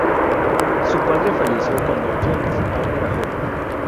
Su padre falleció cuando James aún era joven.